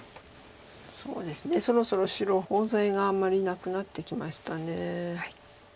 そうですねそろそろ白コウ材があんまりなくなってきました。